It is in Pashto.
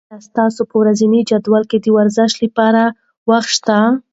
آیا ستاسو په ورځني جدول کې د ورزش لپاره وخت شته؟